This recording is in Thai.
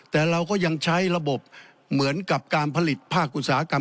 แต่เราก็ยังใช้ระบบเหมือนกับการผลิตภาคอุตสาหกรรม